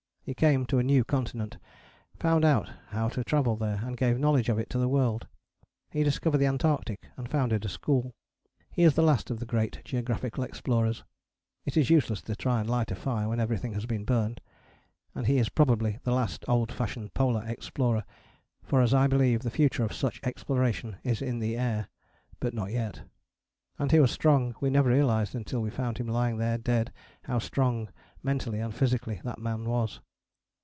He came to a new continent, found out how to travel there, and gave knowledge of it to the world: he discovered the Antarctic, and founded a school. He is the last of the great geographical explorers: it is useless to try and light a fire when everything has been burned; and he is probably the last old fashioned polar explorer, for, as I believe, the future of such exploration is in the air, but not yet. And he was strong: we never realized until we found him lying there dead how strong, mentally and physically, that man was.